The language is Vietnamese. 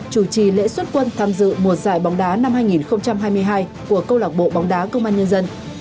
chủ trì lễ xuất quân tham dự mùa giải bóng đá năm hai nghìn hai mươi hai của câu lạc bộ bóng đá công an nhân dân